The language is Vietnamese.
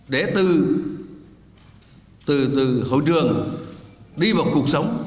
để từ hội trường đi vào cuộc sống